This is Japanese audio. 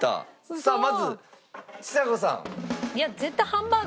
さあまずちさ子さん。